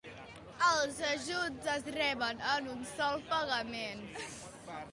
Els ajuts es reben en un sol pagament.